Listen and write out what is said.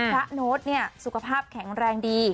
พระโน๊ตเนี่ยสุขภาพแข็งแรงดี